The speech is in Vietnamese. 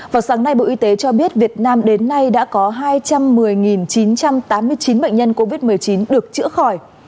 vào sáng nay bộ y tế cho biết việt nam đến nay đã có hai trăm một mươi chín trăm tám mươi chín bệnh nhân covid một mươi chín được chữa khỏi